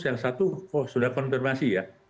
yang satu oh sudah konfirmasi ya